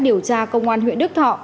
điều tra công an huyện đức thọ